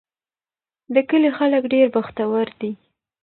د کلي خلک ډېر بختور دي.